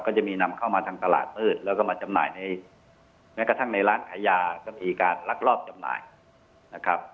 ก็จะมีนำเข้ามาทางตลาดมืดแล้วก็มาจำหน่ายในแม้กระทั่งในร้านขายยาก็มีการลักลอบจำหน่ายนะครับ